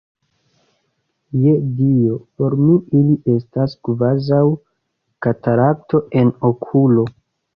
Je Dio, por mi ili estas kvazaŭ katarakto en okulo!